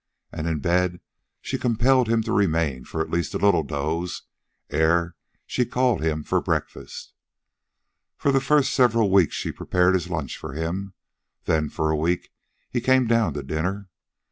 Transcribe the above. And in bed she compelled him to remain for a last little doze ere she called him for breakfast. For the first several weeks she prepared his lunch for him. Then, for a week, he came down to dinner.